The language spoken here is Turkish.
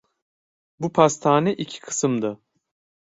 Bu pastane iki kısımdı.